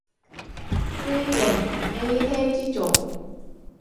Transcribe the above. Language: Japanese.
福井県永平寺町